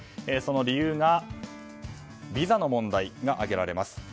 その理由がビザの問題が挙げられます。